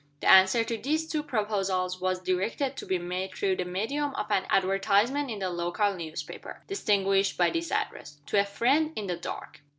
The answer to these two proposals was directed to be made through the medium of an advertisement in the local newspaper distinguished by this address, "To a Friend in the Dark."